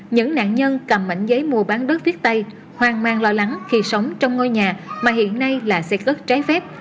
những nạn nhân cầm mảnh giấy mua bán đất viết tay hoang mang lo lắng khi sống trong ngôi nhà mà hiện nay là xây đất trái phép